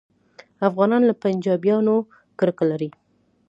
افغانان له پنجابیانو کرکه لري